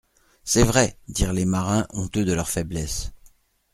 C'est vrai, dirent les marins honteux de leur faiblesse.